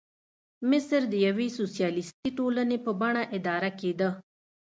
مصر د یوې سوسیالیستي ټولنې په بڼه اداره کېده.